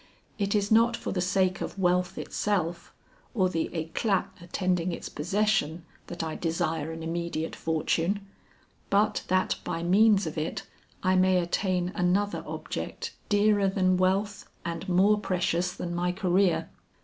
It is not for the sake of wealth itself or the eclat attending its possession that I desire an immediate fortune, but that by means of it I may attain another object dearer than wealth, and more precious than my career."